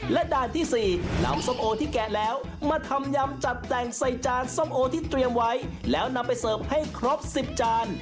และด่านที่๔นำส้มโอที่แกะแล้วมาทำยำจัดแต่งใส่จานส้มโอที่เตรียมไว้แล้วนำไปเสิร์ฟให้ครบ๑๐จาน